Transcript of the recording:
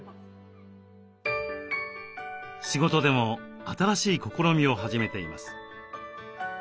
仕事でも新しい試みを始めています。